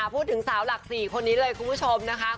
พูดถึงสาวหลัก๔คนนี้เลยคุณผู้ชมนะคะ